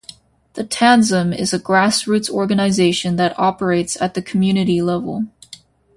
The Tanzim is a grass roots organization that operates at the community level.